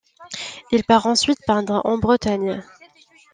Il part ensuite peindre en Bretagne.